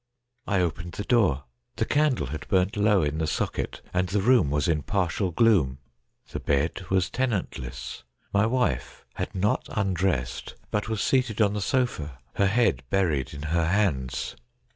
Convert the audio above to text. I opened the door. The candle had burnt low in the socket, and the room was in partial gloom. The bed was tenantless. My wife had not undressed, but was seated on the sofa, her head buried in her hands.